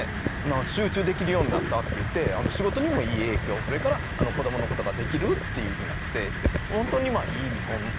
集中できるようになったっていって仕事にもいい影響それから子どものことができるっていうふうになってほんとにいい見本。